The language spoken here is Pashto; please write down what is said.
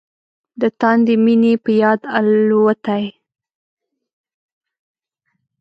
د تاندې مينې په یاد الوتای